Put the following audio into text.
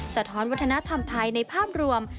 สะท้อนวัฒนธรรมไทยในภาพรวม